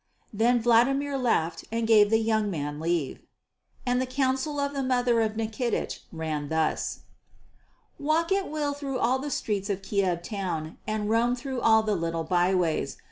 Then Vladimir laughed and gave the young man leave. And the counsel of the mother of Nikitich ran thus: "Walk at will through all the streets of Kiev town and roam through all the little by ways.